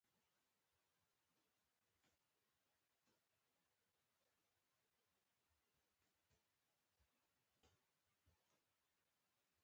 کتاب پېژندنې وروسته مې لومړی عنوان